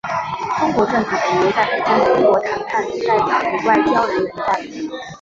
中国政府给留在北京的英国谈判代表以外交人员的待遇。